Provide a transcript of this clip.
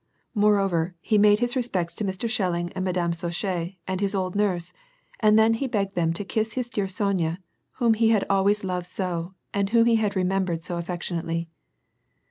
Moreover, he made his respects to Mr. Schelling and Madame Chausse, and his old nurse, and then he begged them to kiss his dear Sonya, whom he had always loved so, and whom he had remembered so affectionately.